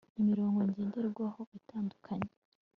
imirongo ngenderwaho itandukanye